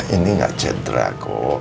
ini gak cedera kok